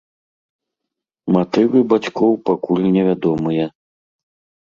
Матывы бацькоў пакуль невядомыя.